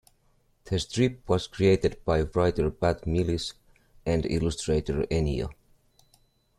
The strip was created by writer Pat Mills and illustrator Enio.